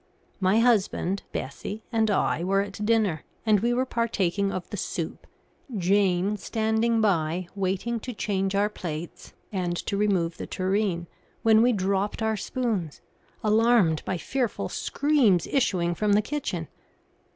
My husband, Bessie, and I were at dinner, and we were partaking of the soup, Jane standing by, waiting to change our plates and to remove the tureen, when we dropped our spoons, alarmed by fearful screams issuing from the kitchen.